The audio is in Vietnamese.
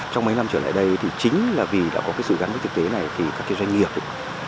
trong mấy năm trở lại đây chính là vì đã có sự gắn với thực tế này các doanh nghiệp cũng được quan tâm